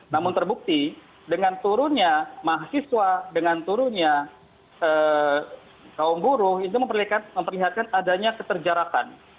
namun terbukti dengan turunnya mahasiswa dengan turunnya kaum buruh itu memperlihatkan adanya keterjarakan